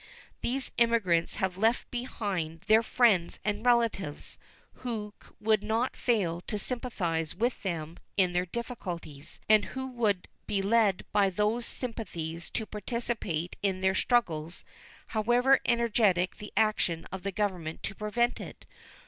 Those emigrants have left behind them friends and relatives, who would not fail to sympathize with them in their difficulties, and who would be led by those sympathies to participate in their struggles, however energetic the action of the Government to prevent it.